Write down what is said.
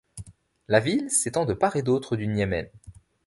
La ville s'étend de part et d'autre du Niémen.